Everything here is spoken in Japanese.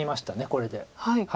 これで。